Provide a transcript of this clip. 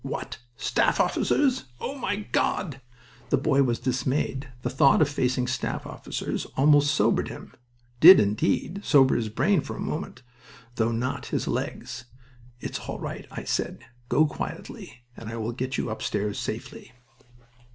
"What?... Staff officers?... Oh, my God!" The boy was dismayed. The thought of facing staff officers almost sobered him; did, indeed, sober his brain for a moment, though not his legs. "It's all right," I said. "Go quietly, and I will get you upstairs safely."